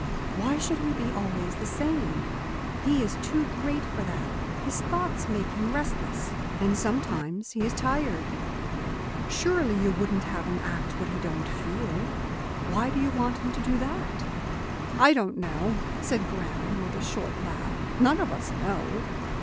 "Why should he be always the same? He is too great for that. His thoughts make him restless, and sometimes he is tired. Surely you wouldn't have him act what he don't feel. Why do you want him to do that?" "I don't know," said Graham, with a short laugh. "None of us know.